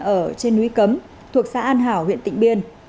ở trên núi cấm thuộc xã an hảo huyện tịnh biên